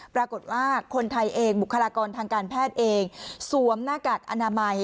ปรากฏว่าคนไทยเองบุคลากรทางการแพทย์เองสวมหน้ากากอนามัย